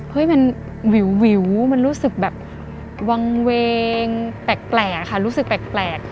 มันวิวมันรู้สึกแบบวางเวงแปลกค่ะรู้สึกแปลก